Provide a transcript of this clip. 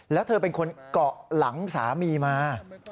แล้วเธอเป็นคนเกาะหลังสามีมา